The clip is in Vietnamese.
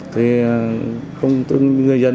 thì không tương người dân